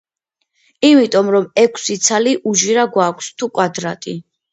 იმიტომ რომ ექვსი ცალი უჯრა გვაქვს, თუ კვადრატი.